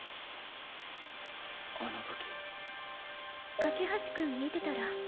あのとき架橋君見てたら